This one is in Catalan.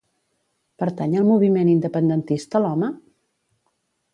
Pertany al moviment independentista l'Home?